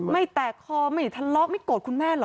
ไม่แตกคอไม่ทะเลาะไม่โกรธคุณแม่เหรอ